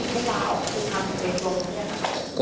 คือทำเป็นกรมใช่ไหมครับ